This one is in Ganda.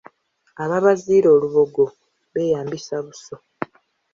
Ababaziira olubugo beyambisa buso.